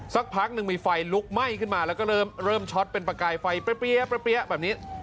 สักพักหนึ่งมีไฟลุกไหม้ขึ้นมาแล้วก็เริ่มช็อตเป็นประกายไฟเปรี้ยแบบนี้